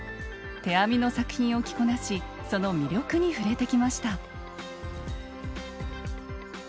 手編みの作品を着こなしその魅力に触れてきました。